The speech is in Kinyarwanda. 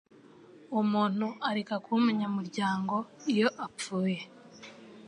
Umuntu areka kuba umunyamuryango iyo apfuye